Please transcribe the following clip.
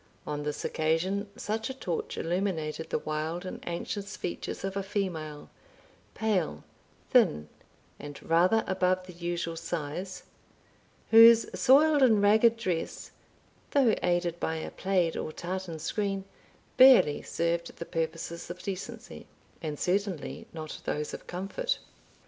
On this occasion such a torch illuminated the wild and anxious features of a female, pale, thin, and rather above the usual size, whose soiled and ragged dress, though aided by a plaid or tartan screen, barely served the purposes of decency, and certainly not those of comfort.